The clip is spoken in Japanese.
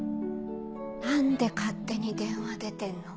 何で勝手に電話出てんの？